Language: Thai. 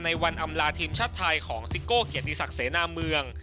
วันอำลาทีมชาติไทยของซิโก้เกียรติศักดิ์เสนาเมือง